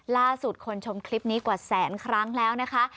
ล่าสุดคนชมคลิปนี้กว่าแสนครั้งแล้วนะคะ